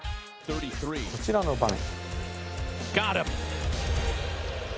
こちらの場面